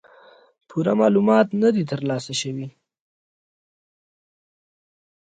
پوره معلومات نۀ دي تر لاسه شوي